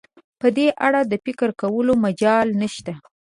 په دې اړه د فکر کولو مجال نشته.